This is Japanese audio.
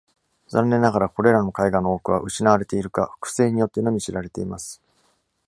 残念ながら、これらの絵画の多くは失われているか、複製によってのみ知られています。